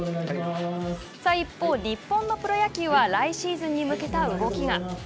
一方、日本のプロ野球は来シーズンに向けた動きが。